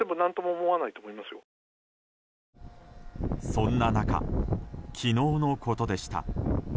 そんな中、昨日のことでした。